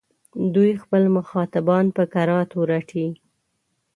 دوی خپل مخاطبان په کراتو رټي.